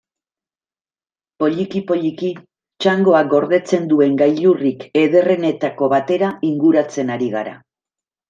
Poliki-poliki, txangoak gordetzen duen gailurrik ederrenetako batera inguratzen ari gara.